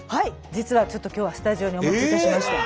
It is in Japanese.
実はちょっと今日はスタジオにお持ちいたしました。